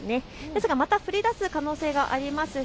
でも、また降りだす可能性があります。